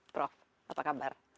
prof apa kabar